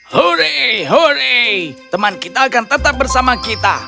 hore hore teman kita akan tetap bersama kita